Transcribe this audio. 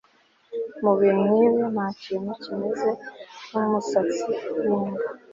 mubihe nkibi, ntakintu kimeze nkumusatsi wimbwa